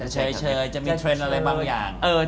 เฉยจะมีเทรนด์อะไรบางอย่าง